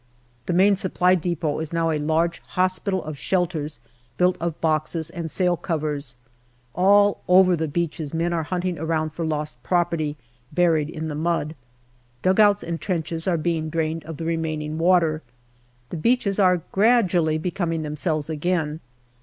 The Main Supply depot is now a large hospital of shelters built of boxes and sailcovers. All over the beaches men are hunting about for lost property buried in the mud. Dugouts and trenches are being drained of the remaining water. The beaches are gradually becoming themselves again.